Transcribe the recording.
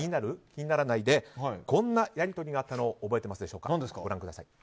気にならない？でこんなやり取りがあったのを覚えていますか。